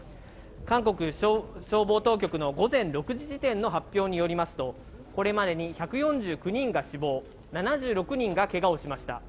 韓国消防当局の午前６時時点の発表によりますと、これまでに１４９人が死亡、７６人がけがをしました。